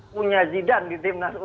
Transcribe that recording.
punya zidane di tim u enam belas